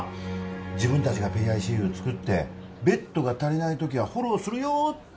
自分たちがＰＩＣＵ作ってベッドが足りないときはフォローするよってことでしょ？